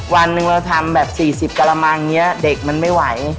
วันหนึ่งเราทำแบบ๔๐กระมังอย่างนี้เด็กมันไม่ไหว